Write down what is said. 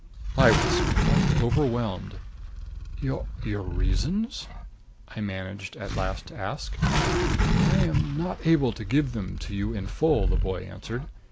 I was quite overwhelmed. "Your reasons?" I managed at last to ask. "I am not able to give them to you in full," the boy answered.